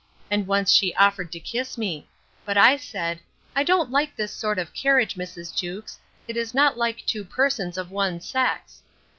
And once she offered to kiss me. But I said, I don't like this sort of carriage, Mrs. Jewkes; it is not like two persons of one sex.